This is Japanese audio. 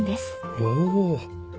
おお。